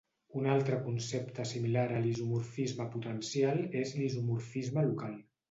Un altre concepte similar a l"isomorfisme potencial és l"isomorfisme local.